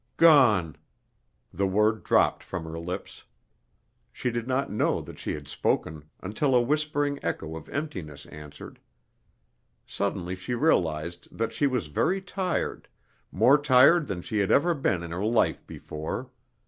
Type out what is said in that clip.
"Gone!" The word dropped from her lips. She did not know that she had spoken until a whispering echo of emptiness answered. Suddenly she realized that she was very tired, more tired than she had ever been in her life before.